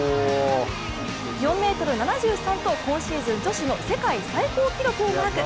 ４ｍ７３と今シーズン、女子の世界最高記録をマーク。